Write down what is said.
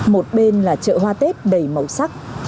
một bên là chợ hoa tết đầy màu sắc